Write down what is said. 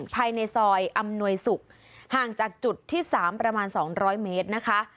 ภายในซอยอำนวยศุกร์ห่างจากจุดที่๓ประมาณ๒๐๐เมตรนะคะ